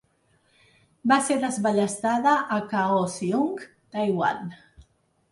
Va ser desballestada a Kaohsiung, Taiwan.